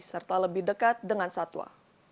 serta lebih dekat dengan satwa